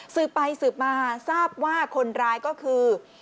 สืบไปสืบมาทราบว่าคนร้ายก็คือ